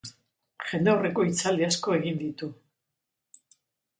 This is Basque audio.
Jendaurreko hitzaldi asko egin ditu.